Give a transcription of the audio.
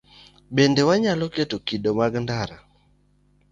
Bende wanyalo keto kido mag ndara